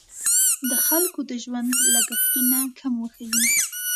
د خلکو د ژوند لګښتونه کم وښیي.